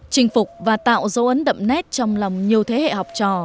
trình phục và tạo dấu ấn đậm nét trong lòng nhiều thế hệ học trường